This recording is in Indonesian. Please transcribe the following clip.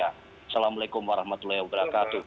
assalamualaikum warahmatullahi wabarakatuh